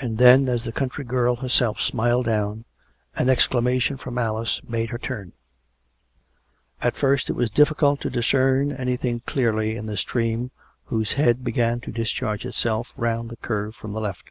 And then, as the country girl herself smiled down, an exclama tion from Alice made her turn. 166 COME RACK! COME ROPE! At first it was difficult to discern anything clearly in the srtream whose head began to discharge itself round the curve from the left.